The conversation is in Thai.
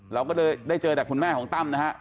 เราก็เลยได้เจอแต่คุณแม่ของตั้มนะครับ